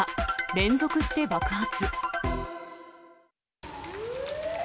連続して爆発。